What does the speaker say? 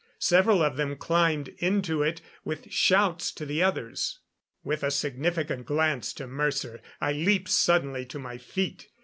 Several of them climbed into it, with shouts to the others. With a significant glance to Mercer I leaped suddenly to my feet.